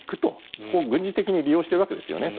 そこを軍事的に利用しているわけですよね。